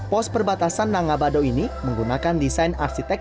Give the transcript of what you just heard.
pos perbatasan nangabado ini menggunakan desain arsitek